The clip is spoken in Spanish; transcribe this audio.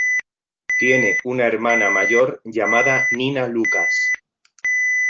Tiene una hermana mayor llamada Nina Lucas.